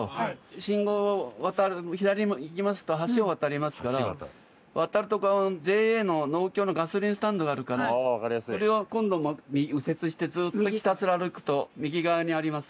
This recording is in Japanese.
信号を左に行きますと橋を渡りますから渡るとＪＡの農協のガソリンスタンドがあるからそれを今度は右折してずーっとひたすら歩くと右側にあります。